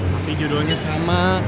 tapi judulnya sama